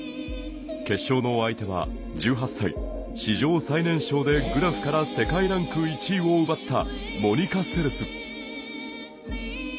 決勝の相手は１８歳史上最年少でグラフから世界ランク１位を奪ったモニカ・セレス。